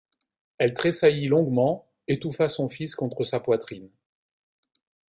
Elle tressaillit longuement, étouffa son fils contre sa poitrine.